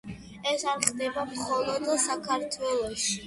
ეს არ ხდება მხოლოდ საქართველოში.